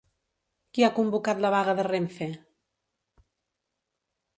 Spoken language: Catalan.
Qui ha convocat la vaga de Renfe?